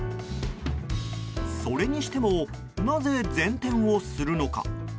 それにしてもなぜ前転をするのか。